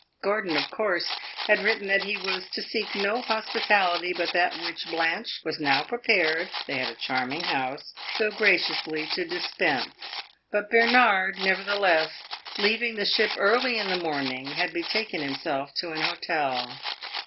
Gordon, of course, had written that he was to seek no hospitality but that which Blanche was now prepared they had a charming house so graciously to dispense; but Bernard, nevertheless, leaving the ship early in the morning, had betaken himself to an hotel.